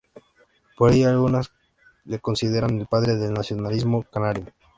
Por ello algunos le consideran el padre del nacionalismo canario.